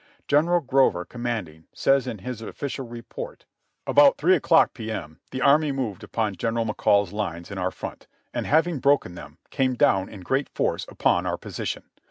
General Grover, commanding, says in his official report : "About 3 o'clock P. M. the enemy moved upon General Mc Call's lines in our front, and having broken them, came down in great force upon our position.